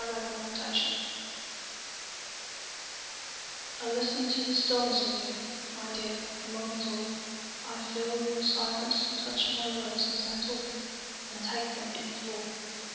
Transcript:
Listening I LISTEN to the stillness of you, My dear, among it all;I feel your silence touch my words as I talk, And take them in thrall.